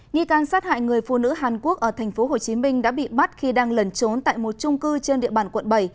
nghi can sát hại người phụ nữ hàn quốc ở tp hcm đã bị bắt khi đang lẩn trốn tại một trung cư trên địa bàn quận bảy